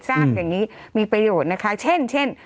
สร้างอย่างนี้มีประโยชน์นะคะเช่น